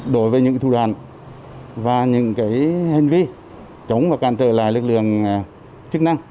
đối với những thủ đoàn và những hành vi chống và càn trở lại lực lượng chức năng